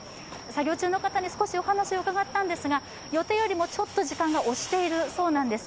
作業中の方に少しお話を伺ったそうなんですが、予定よりもちょっと時間が押しているそうなんです。